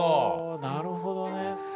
なるほどね。